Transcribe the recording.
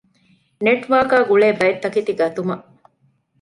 ނެޓްވާރކާގުޅޭ ބައެއްތަކެތި ގަތުމަށް